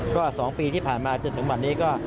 ก็๒ปีที่ผ่านมาจนถึงวันนี้ก็